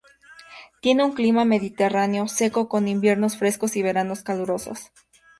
Tiene un clima mediterráneo seco con inviernos frescos y veranos calurosos.